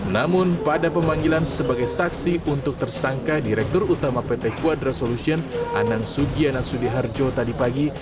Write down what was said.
namun pada pemanggilan sebagai saksi untuk tersangka direktur utama pt quadra solution anang sugiana sudiharjo tadi pagi